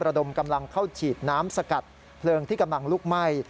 ระดมกำลังเข้าฉีดน้ำสกัดเพลิงที่กำลังลุกไหม้